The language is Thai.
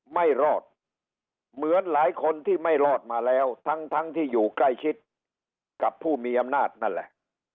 ไม่รอดเหมือนหลายคนที่ไม่รอดมาแล้วทั้งที่อยู่ใกล้ชิดกับผู้มีอำนาจนั่นแหละ